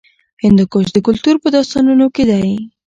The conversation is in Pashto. هندوکش د کلتور په داستانونو کې دی.